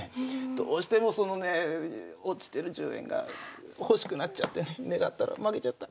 どうしてもそのね落ちてる１０円が欲しくなっちゃってね狙ったら負けちゃった。